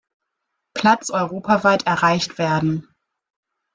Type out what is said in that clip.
Platz europaweit erreicht werden.